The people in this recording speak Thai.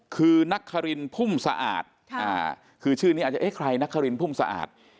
คือนักคารินพุ่มสะอาดคือชื่อนี้อาจจะเอ๊ะใครนครินพุ่มสะอาด